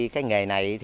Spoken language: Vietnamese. cái nghề này